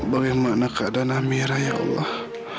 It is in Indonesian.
bagaimana keadaan amirah ya allah